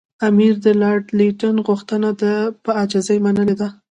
امیر د لارډ لیټن غوښتنه په عاجزۍ منلې ده.